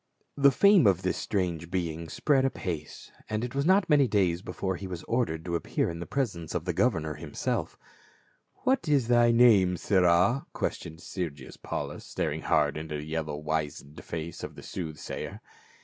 The fame of this strange being spread apace, and it was not many days before he was ordered to appear in the presence of the governor himself "What is thy name, sirrah?" questioned Sergius Paukis, staring hard into the yellow wizened face of the soothsayer.